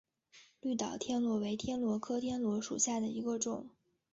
绿岛天螺为天螺科天螺属下的一个种。